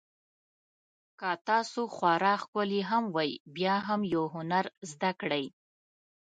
که تاسو خورا ښکلي هم وئ بیا هم یو هنر زده کړئ.